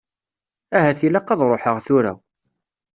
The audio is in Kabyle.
Ahat ilaq ad ṛuḥeɣ tura.